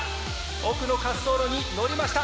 奥の滑走路にのりました。